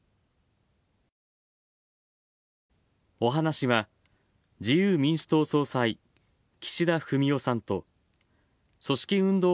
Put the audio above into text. お話しは、自由民主党総裁岸田文雄さんと組織運動